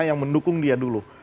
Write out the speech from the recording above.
yang mendukung dia dulu